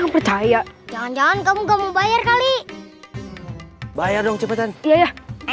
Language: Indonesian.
percaya jangan jangan kamu gak mau bayar kali bayar dong cepetan iya ya